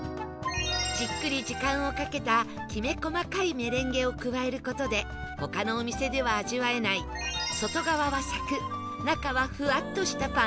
じっくり時間をかけたきめ細かいメレンゲを加える事で他のお店では味わえない外側はサクッ中はふわっとしたパンケーキに